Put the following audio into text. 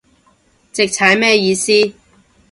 直踩咩意思